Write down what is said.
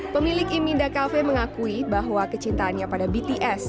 pemilik iminda cafe mengakui bahwa kecintaannya pada bts